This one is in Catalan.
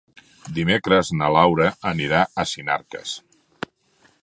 Dimecres na Laura anirà a Sinarques.